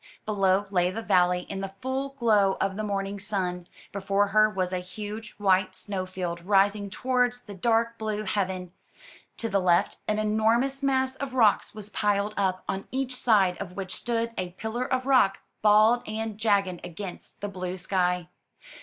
Below lay the valley in the full glow of the morning sun; before her was a huge white snow field rising towards the dark blue heaven; to the left, an enormous mass of rocks was piled up, on each side of which stood a pillar of rock, bald and jagged against the blue sky.